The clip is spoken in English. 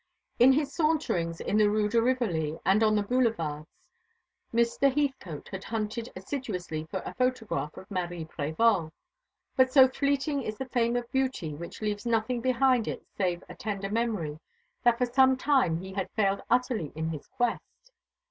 In his saunterings in the Rue de Rivoli and on the Boulevards Mr. Heathcote had hunted assiduously for a photograph of Marie Prévol; but so fleeting is the fame of beauty, which leaves nothing behind it save a tender memory, that for some time he had failed utterly in his quest.